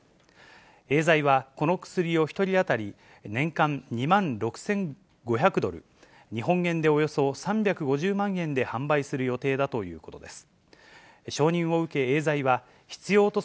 エーザイは、この薬を１人当たり年間２万６５００ドル、日本円でおよそ３５０万円で販売する予定だということです。